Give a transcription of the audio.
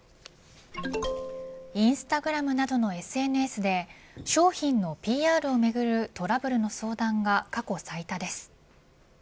インスタグラムなどのＳＮＳで商品のＰＲをめぐるトラブルの相談が過去最多です。